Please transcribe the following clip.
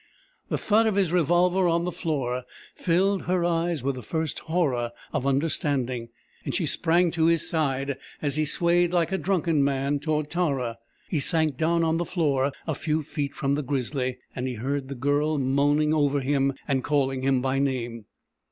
The thud of his revolver on the floor filled her eyes with the first horror of understanding, and she sprang to his side as he swayed like a drunken man toward Tara. He sank down on the floor a few feet from the grizzly, and he heard the Girl moaning over him and calling him by name.